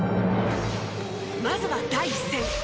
まずは第１戦。